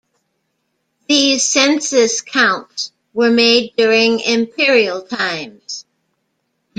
These census counts were made during imperial times.